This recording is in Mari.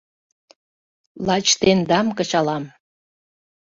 Лач тендам кычалам!